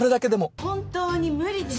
本当に無理です！